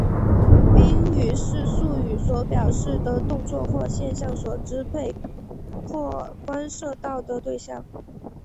宾语是述语所表示的动作或现象所支配或关涉到的对象。